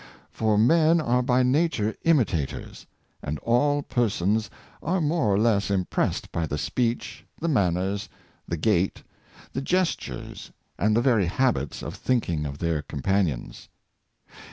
For men are by nature imitat Influence of Companionship, 121 ors, and all persons are more or less impressed by the speech, the manners, the gait, the gestures, and the very habits of thinking of their companions.